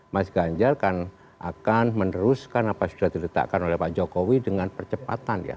mas ganjar kan akan meneruskan apa yang sudah diletakkan oleh pak jokowi dengan percepatan ya